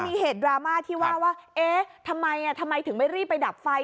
มันมีเหตุดราม่าที่ว่าเอ๊ทำไมถึงไม่รีบไปดับไฟ